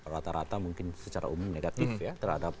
rata rata mungkin secara umum negatif ya terhadap